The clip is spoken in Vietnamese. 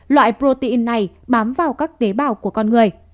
loại protein này bám vào các tế bào của con người